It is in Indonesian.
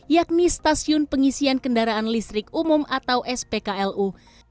yakni stasiun pengisian kendaraan listrik umum atau spklu